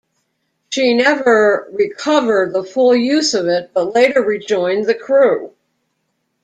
She never recovered the full use of it but later rejoined the crew.